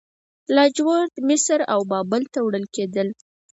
لاجورد مصر او بابل ته وړل کیدل